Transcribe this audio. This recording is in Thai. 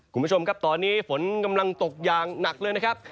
คุณผู้ชมครับตอนนี้ฝนกำลังตกอย่างหนักเลยนะครับ